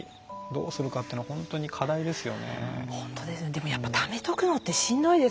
でもやっぱためとくのってしんどいですもんね。